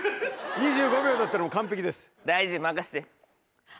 ２５秒だったら完璧です。